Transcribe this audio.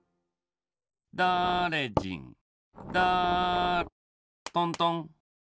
だれじんだとんとん。